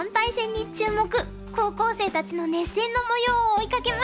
高校生たちの熱戦のもようを追いかけました。